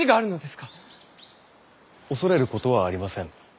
恐れることはありません。